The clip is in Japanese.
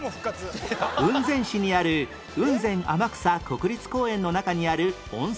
雲仙市にある雲仙天草国立公園の中にある温泉地